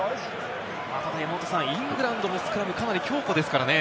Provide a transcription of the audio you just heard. ただ、イングランドのスクラム、かなり強固ですからね。